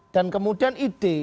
dan kemudian ide